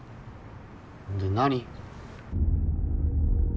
で、何？